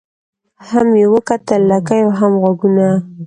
هم یې وکتل لکۍ او هم غوږونه